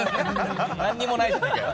何もないじゃないかよ。